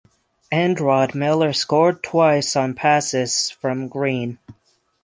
End Rod Miller scored twice on passes from Green.